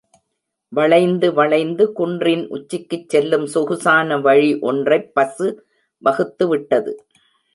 வளைந்து, வளைந்து குன்றின் உச்சிக்குச் செல்லும் சொகுசான வழி ஒன்றைப் பசு வகுத்து விட்டது.